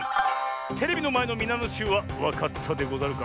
テレビのまえのみなのしゅうはわかったでござるか？